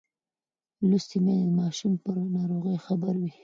لوستې میندې د ماشوم پر ناروغۍ خبر وي.